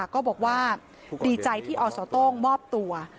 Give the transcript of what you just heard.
ก็บอกว่าดีใจที่อสโต้งมอบตัว